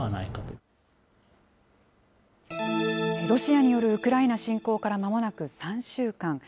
ロシアによるウクライナ侵攻からまもなく３週間。